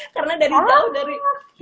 karena dari jauh dari